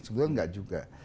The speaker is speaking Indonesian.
sebenarnya enggak juga